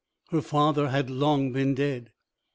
Her father had long been dead.